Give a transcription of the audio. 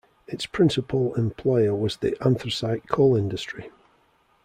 Its principal employer was the anthracite coal industry.